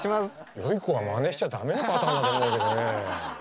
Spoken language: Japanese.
よい子はまねしちゃ駄目なパターンだと思うけどね。